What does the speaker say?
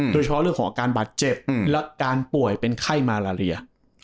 โดยเฉพาะเรื่องของอาการบาดเจ็บและการป่วยเป็นไข้มาลาเรีย